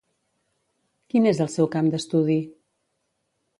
Quin és el seu camp d'estudi?